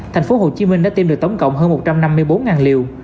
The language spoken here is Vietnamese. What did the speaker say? tp hcm đã tiêm được tổng cộng hơn một trăm năm mươi bốn liều